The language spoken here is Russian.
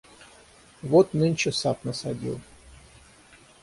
Вот нынче сад насадил.